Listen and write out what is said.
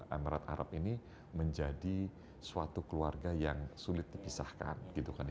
emirat arab ini menjadi suatu keluarga yang sulit dipisahkan gitu kan